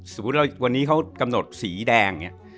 สมมุติวันนี้เขากำหนดสีแดง